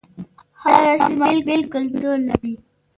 هر سيمه بیل کلتور لري